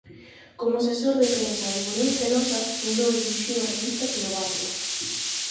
Como asesor de prensa de Unión Fenosa, fundou e dirixiu a revista "Kilovatio".